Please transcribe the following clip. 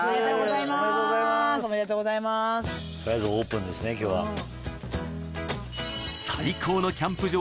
取りあえずオープンですね今日は。のお味は？